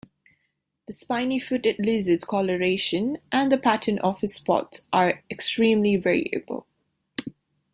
The spiny-footed lizard's coloration and the pattern of its spots are extremely variable.